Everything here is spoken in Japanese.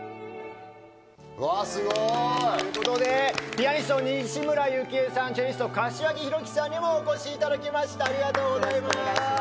うわ、すごい！ということでピアニスト・西村由紀江さん、チェリスト・柏木広樹さんにもお越しいただきました、ありがとうございます。